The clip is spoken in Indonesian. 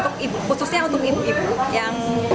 khususnya untuk ibu ibu yang